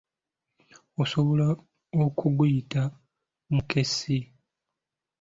Osobola okugiyita mukessi.